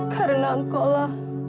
karena engkau lah